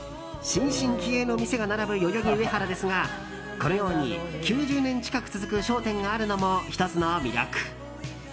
新進気鋭の店が並ぶ代々木上原ですがこのように９０年近く続く商店があるのも１つの魅力。